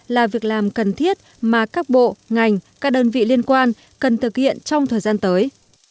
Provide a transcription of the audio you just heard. là việc làm cần thiết mà các bộ ngành các đơn vị liên quan cần thực hiện trong thời gian tới